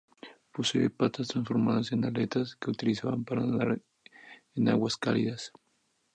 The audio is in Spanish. Posee patas transformadas en aletas que utilizaba para nadar en aguas cálidas.